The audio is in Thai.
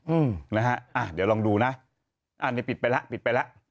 อืมนะฮะอ่าเดี๋ยวลองดูนะอันนี้ปิดไปแล้วปิดไปแล้ว